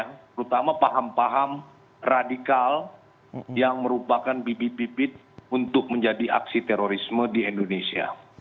terutama paham paham radikal yang merupakan bibit bibit untuk menjadi aksi terorisme di indonesia